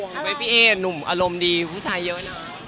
รู้ไหมพี่เอหนุ่มอารมณ์ดีผู้ชายเยอะเนอะ